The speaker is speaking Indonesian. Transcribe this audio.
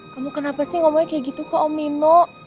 kamu kenapa sih ngomongnya kayak gitu ke om nino